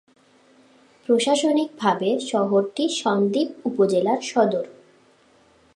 প্রশাসনিকভাবে শহরটি সন্দ্বীপ উপজেলার সদর।